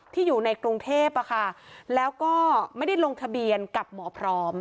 ที่อยู่ในกรุงเทพ